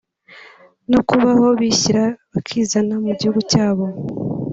no kubaho bishyira bakizana mu gihugu cyabo